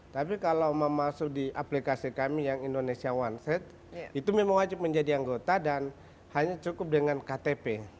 tapi kalau memasuk di aplikasi kami yang indonesia one set itu memang wajib menjadi anggota dan hanya cukup dengan ktp